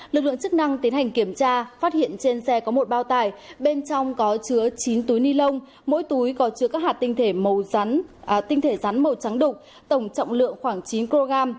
lực lượng chức năng tiến hành kiểm tra phát hiện trên xe có một bao tải bên trong có chứa chín túi ni lông mỗi túi có chứa các hạt tinh thể màu rắn tinh thể rắn màu trắng đục tổng trọng lượng khoảng chín kg